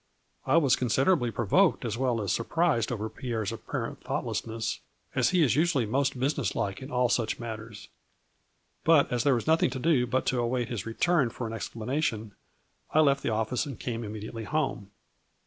I was considerably provoked as well as surprised over Pierre's ap parent thoughtlessness, as he is usually most business like in all such matters. But, as there was nothing to do but to await his return for an explanation, I left the office and came im mediately home.